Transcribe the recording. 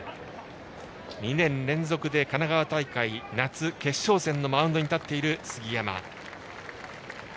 ２年連続で神奈川大会夏決勝戦のマウンドに立っている杉山。